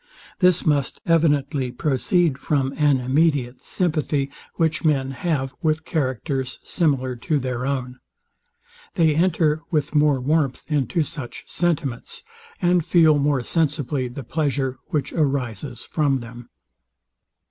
This must evidently proceed from an immediate sympathy, which men have with characters similar to their own. They enter with more warmth into such sentiments, and feel more sensibly the pleasure, which arises from them.